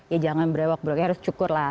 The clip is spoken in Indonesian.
ya jangan berewak brewak ya harus cukur lah